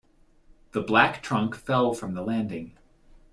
The black trunk fell from the landing.